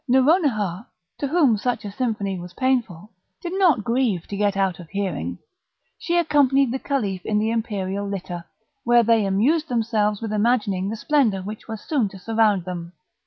Nouronihar, to whom such a symphony was painful, did not grieve to get out of hearing; she accompanied the Caliph in the imperial litter, where they amused themselves with imagining the splendour which was soon to surround them.